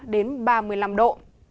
đến ba mươi năm độ